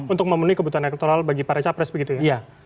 untuk memenuhi kebutuhan elektoral bagi para capres begitu ya